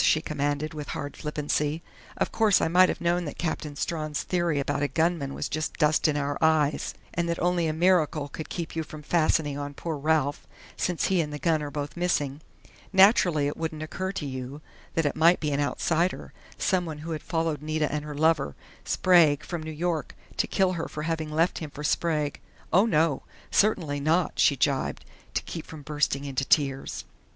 she commanded, with hard flippancy. "Of course I might have known that Captain Strawn's theory about a gunman was just dust in our eyes, and that only a miracle could keep you from fastening on poor Ralph, since he and the gun are both missing.... Naturally it wouldn't occur to you that it might be an outsider, someone who had followed Nita and her lover, Sprague, from New York, to kill her for having left him for Sprague.... Oh, no! Certainly not!" she gibed, to keep from bursting into tears.